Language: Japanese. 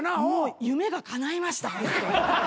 もう夢がかないました。